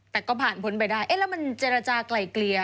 แต่ก็ผ่านผลไปได้แล้วมันเจรจากไกล่เกลีย